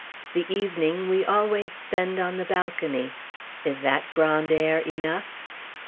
The evening we always spend on the balcony. Is that grand air enough?